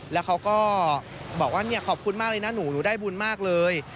แล้วเขาก็บอกว่าเนี่ยขอบคุณมากเลยนะหนูหนูได้บุญมากเลย